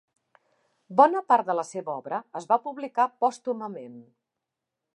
Bona part de la seva obra es va publicar pòstumament.